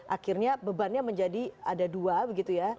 akhirnya bebannya menjadi ada dua begitu ya